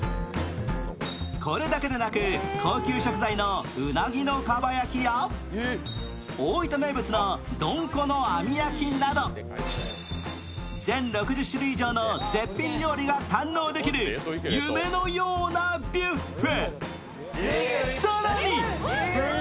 これだけでなく、高級食材のうなぎの蒲焼や大分名物のどんこの網焼きなど全６０種類以上の絶品料理が堪能できる夢のようなビュッフェ。